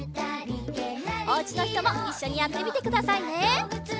おうちのひともいっしょにやってみてくださいね！